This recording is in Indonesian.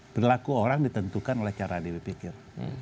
berlaku orang ditentukan oleh cara berpikir